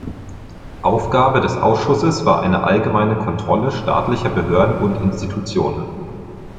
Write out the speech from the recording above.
Aufgabe des Ausschusses war eine allgemeine Kontrolle staatlicher Behörden und Institutionen.